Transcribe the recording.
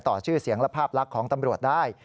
ชื่อเสียงและภาพลักษณ์ของตำรวจได้